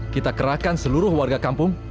kita kerahkan seluruh warga kampung